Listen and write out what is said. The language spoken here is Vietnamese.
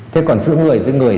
thế còn giữa người